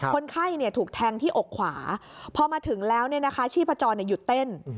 คนไข้ถูกแทงที่อกขวาพอมาถึงแล้วชีพจรหยุดเต้น